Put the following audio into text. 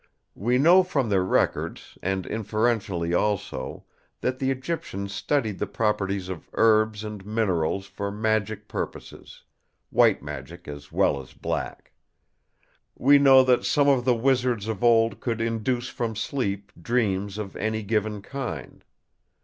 We know from their records, and inferentially also, that the Egyptians studied the properties of herbs and minerals for magic purposes—white magic as well as black. We know that some of the wizards of old could induce from sleep dreams of any given kind.